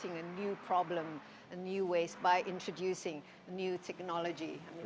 anda mulai membuat masalah baru dan membuat bahan baru dengan memperkenalkan teknologi baru